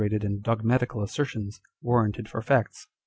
â€¢and dogmatical assertions, warranted for facts.